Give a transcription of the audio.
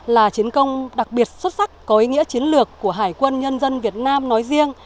là chiến công đặc biệt xuất sắc có ý nghĩa chiến lược của hải quân nhân dân việt nam nói riêng